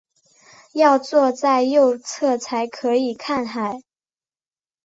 要坐在右侧才可以看海